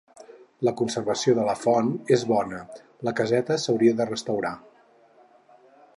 La conservació de la font és bona, la caseta s'hauria de restaurar.